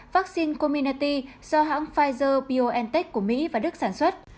vaccine cominity do hãng pfizer biontech của mỹ và đức sản xuất